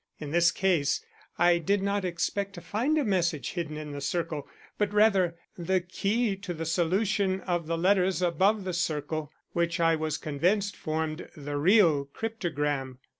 In this case I did not expect to find a message hidden in the circle, but rather, the key to the solution of the letters above the circle, which, I was convinced, formed the real cryptogram.